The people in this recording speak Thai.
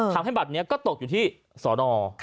ทำให้แบบนี้ก็ตกอยู่ที่สอนอ